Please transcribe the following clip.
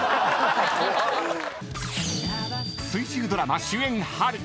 ［水１０ドラマ主演波瑠